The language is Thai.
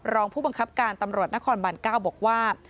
รองผู้บังคับการตำรวจนครบาน๙บอกว่า